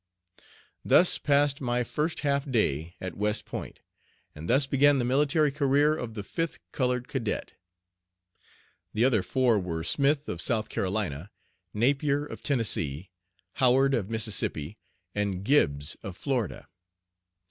Thus passed my first half day at West Point, and thus began the military career of the fifth colored cadet. The other four were Smith of South Carolina, Napier of Tennessee, Howard of Mississippi, and Gibbs of Florida.